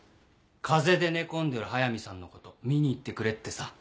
風邪で寝込んでる速見さんのこと見に行ってくれってさ。